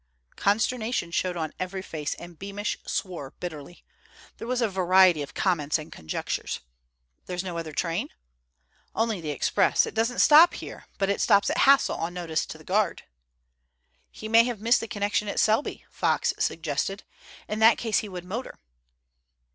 Consternation showed on every face, and Beamish swore bitterly. There was a variety of comments and conjectures. "There's no other train?" "Only the express. It doesn't stop here, but it stops at Hassle on notice to the guard." "He may have missed the connection at Selby," Fox suggested. "In that case he would motor."